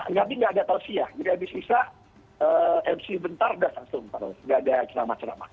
nggak ada ceramah ceramah